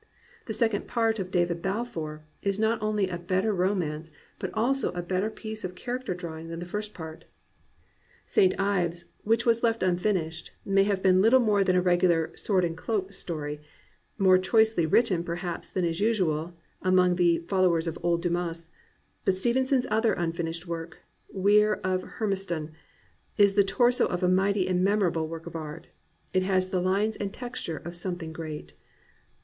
The second part of David Balfour is not only a better romance, but also a better piece of character drawing, than the first part. St. IveSy 378 AN ADVENTURER which was left unfinished, may have been little more than a regular " sword and cloak " story, more choicely written, perhaps, than is usual among the follow of "old Dumas.'* But Stevenson's other unfinished book. Weir of Hermiston, is the torso of a mighty and memorable work of art. It has the lines and the texture of something great.